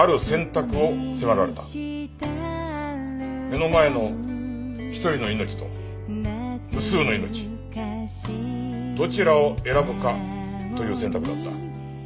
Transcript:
目の前の一人の命と無数の命どちらを選ぶかという選択だった。